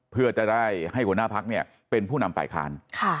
เพื่อจะได้ให้หัวหน้าพักเป็นผู้นำฝ่ายค้าน